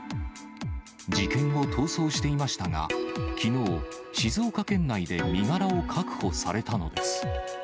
事件後、逃走していましたが、きのう、静岡県内で身柄を確保されたのです。